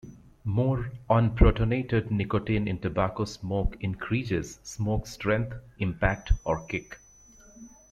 More unprotonated nicotine in tobacco smoke increases smoke "strength", "impact", or "kick".